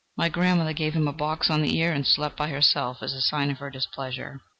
My grandmother gave him a box on the ear and slept by herself as a sign of her displeasure.